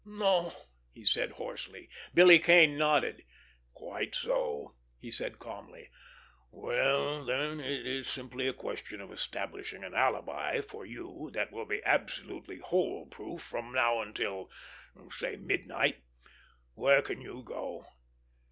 "No," he said hoarsely. Billy Kane nodded. "Quite so!" he said calmly. "Well, then, it is simply a question of establishing an alibi for you that will be absolutely hole proof from now until, say, midnight. Where can you go?"